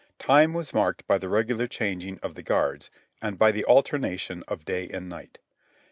Time was marked by the regular changing of the guards, and by the alternation of day and night.